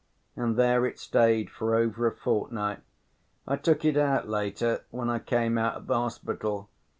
And there it stayed for over a fortnight. I took it out later, when I came out of the hospital.